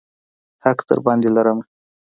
حق درباندې لرمه.